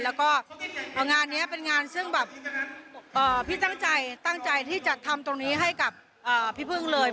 แล้วก็งานนี้เป็นงานซึ่งแบบพี่ตั้งใจตั้งใจที่จะทำตรงนี้ให้กับพี่พึ่งเลย